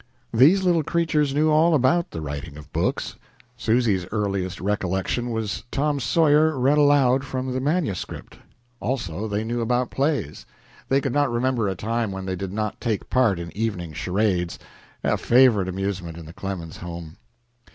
These little creatures knew all about the writing of books. Susy's earliest recollection was "Tom Sawyer" read aloud from the manuscript. Also they knew about plays. They could not remember a time when they did not take part in evening charades a favorite amusement in the Clemens home.